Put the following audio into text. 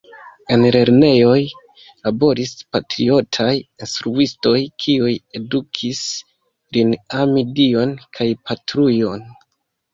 En lernejoj laboris patriotaj instruistoj, kiuj edukis lin ami Dion kaj Patrujon.